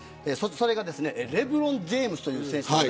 それがレブロン・ジェームズという選手です。